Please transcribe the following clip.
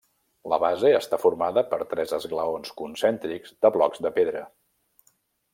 La base està formada per tres esglaons concèntrics de blocs de pedra.